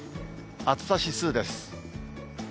暑さ指数です。